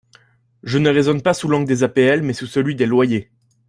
Je ne raisonne pas sous l’angle des APL mais sous celui des loyers.